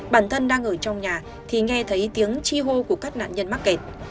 bản thân đang ở trong nhà thì nghe thấy tiếng chi hô của các nạn nhân mắc kẹt